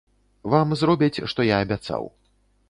Вам зробяць, што я абяцаў.